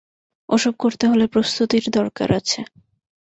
ওসব করতে হলে প্রস্তুতির দরকার আছে।